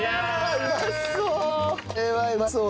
うまそう！